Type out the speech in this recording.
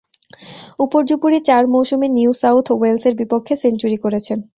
উপর্যুপরী চার মৌসুমে new south ওয়েলসের বিপক্ষে সেঞ্চুরি করেছেন।